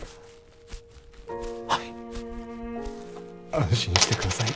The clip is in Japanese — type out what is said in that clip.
はい安心してください